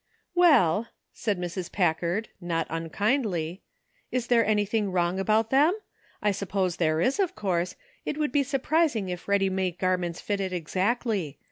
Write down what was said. "Well," said Mrs. Packard, not unkindly, " is there anything wrong about them? I sup pose there is, of course ; it would be surprising if ready made garments fitted exactly.